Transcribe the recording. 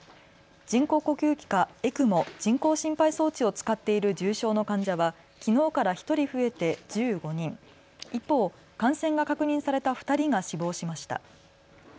人工呼吸器かＥＣＭＯ・人工心肺装置を使っている重症の患者はきのうから１人増えて１５人、一方、感染が確認された２人が死亡しました。